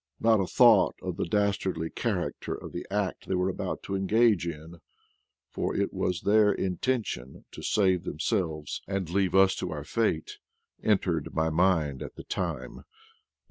Not a thought of the dastardly character of the act they were about to engage in — for it was their inten tion to save themselves and leave us to our fate — entered my mind at the time.